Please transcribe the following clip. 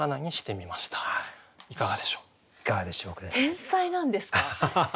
天才なんですか？